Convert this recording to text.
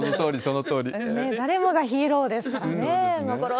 誰もがヒーローですからね。